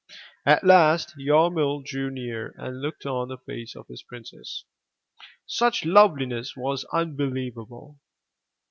At last Yarmil drew near and looked on the face of his princess. Such loveliness was unbelievable!